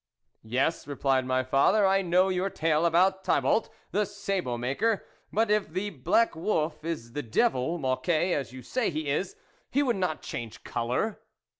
" Yes," replied my father, " I know your tale about Thibault, the sabot maker; but, if the black wolf is the devil, Mocquet, as you say he is, he would not change colour."